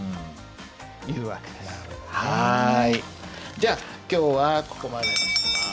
じゃあ今日はここまでにします。